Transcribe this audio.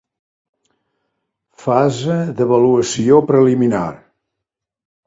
Fase d'avaluació preliminar.